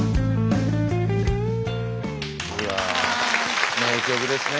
うわあ名曲ですね